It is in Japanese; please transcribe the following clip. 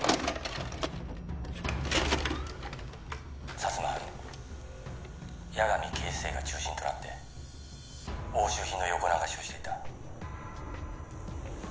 「薩摩派の矢上警視正が中心となって押収品の横流しをしていた」